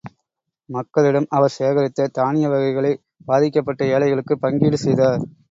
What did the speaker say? மக்களிடம் அவர் சேகரித்த தானிய வகைகளைப் பாதிக்கப்பட்ட ஏழைகளுக்குப் பங்கீடு செய்தார்.